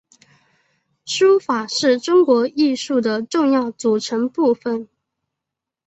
书法是中国艺术的重要组成部份。